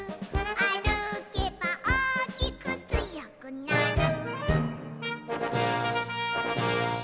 「あるけばおおきくつよくなる」